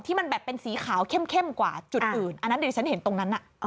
มันแบบเป็นสีขาวเข้มกว่าจุดอื่นอันนั้นดิฉันเห็นตรงนั้น